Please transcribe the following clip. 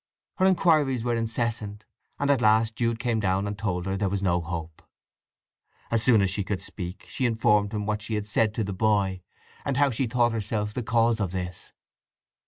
Her inquiries were incessant, and at last Jude came down and told her there was no hope. As soon as she could speak she informed him what she had said to the boy, and how she thought herself the cause of this.